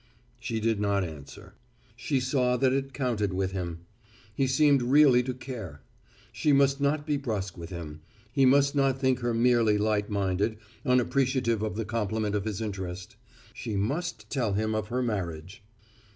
She did not answer. She saw that it counted with him. He seemed really to care. She must not be brusque with him. He must not think her merely light minded, unappreciative of the compliment of his interest. She must tell him of her marriage.